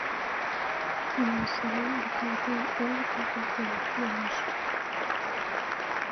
Юмо сырен да калыклан орлыкым колтен», — манеш.